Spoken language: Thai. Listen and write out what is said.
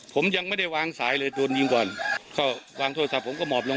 ผมยังไม่ได้วางสายเลยโดนยิงก่อนก็วางโทรศัพท์ผมก็หมอบลง